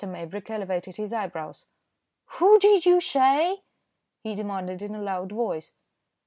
Maybrick elevated his eyebrows. "Who did you say?" he demanded in a loud voice.